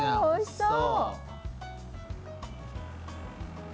おいしそう！